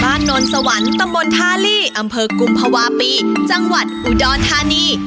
นนสวรรค์ตำบลท่าลี่อำเภอกุมภาวะปีจังหวัดอุดรธานี